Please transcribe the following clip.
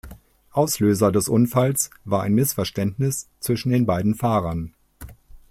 Auslöser des Unfalls war ein Missverständnis zwischen den beiden Fahrern.